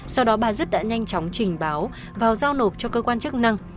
sau đó bà dứt đã nhanh chóng trình báo và giao nộp cho cơ quan chức năng